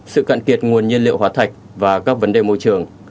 sự cạn kiệt nguồn nhiên liệu hóa thạch và các vấn đề môi trường